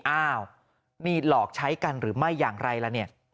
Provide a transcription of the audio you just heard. อ้าวมีหลอกใช้กันหรือไม่อย่างไรล่ะ